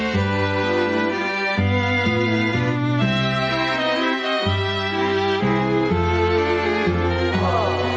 สวัสดีค่ะ